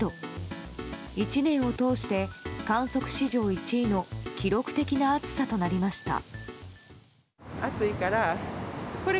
１年を通して、観測史上１位の記録的な暑さとなりました。